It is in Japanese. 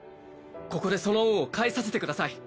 ここでその恩を返させてください